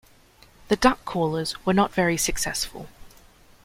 The duck callers were not very successful.